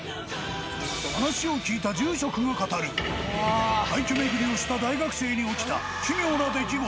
話を聞いた住職が語る廃虚巡りをした大学生に起きた奇妙な出来事。